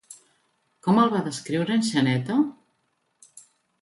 Com el va descriure en Xaneta?